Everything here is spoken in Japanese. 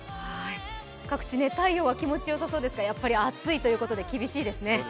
各地で太陽が気持ちよさそうですがやっぱり暑いということで厳しいですね。